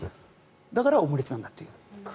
だから、オムレツなんだという。